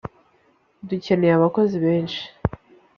dukeneye abakozi benshi